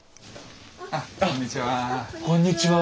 あっこんにちは。